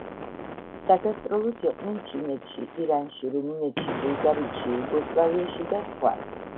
საგასტროლოდ იყვნენ ჩინეთში, ირანში, რუმინეთში, ბულგარეთში, იუგოსლავიაში და სხვა.